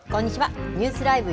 ニュースＬＩＶＥ！